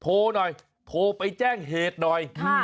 โทรหน่อยโทรไปแจ้งเหตุหน่อย